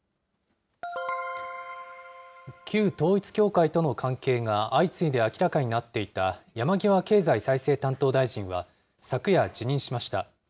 旧統一教会との関係が相次いで明らかになっていた山際経済再生担当大臣は、昨夜、辞任しました。